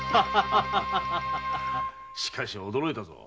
しかし驚いたぞ。